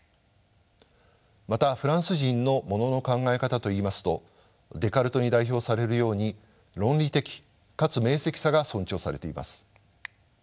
またフランス人のものの考え方といいますとデカルトに代表されるように論理的かつ明晰さが尊重されています。